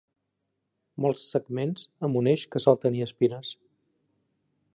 Molts segments, amb un eix que sol tenir espines.